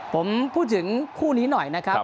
ผมพูดถึงคู่นี้หน่อยนะครับ